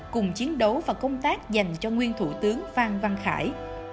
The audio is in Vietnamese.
cùng chiến đấu và công tác dành cho nguyên thủ tướng phan văn khải